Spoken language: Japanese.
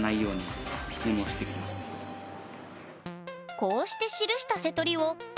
こうして記したセトリを「＃